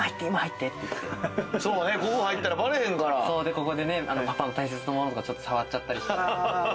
ここでパパの大切なものとかちょっと触っちゃったりして。